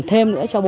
thêm nữa cho